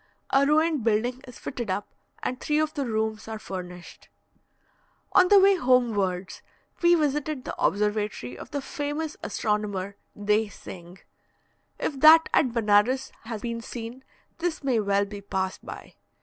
A ruined building is fitted up, and three of the rooms are furnished. On the way homewards, we visited the observatory of the famous astronomer, Dey Singh. If that at Benares has been seen, this may well be passed by.